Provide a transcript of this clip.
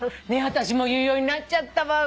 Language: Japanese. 私も言うようになっちゃった。